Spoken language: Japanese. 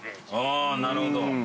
あーなるほど。